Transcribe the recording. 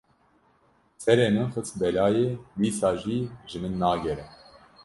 Serê min xist belayê dîsa jî ji min nagere.